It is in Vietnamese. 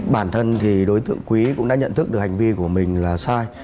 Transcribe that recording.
bản thân thì đối tượng quý cũng đã nhận thức được hành vi của mình là sai